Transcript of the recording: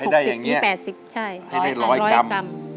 สวัสดีครับ